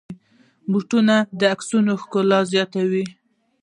بوټونه د عکسونو ښکلا زیاتوي.